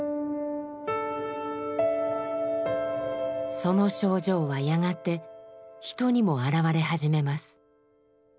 その症状はやがて人にも現れ始めます。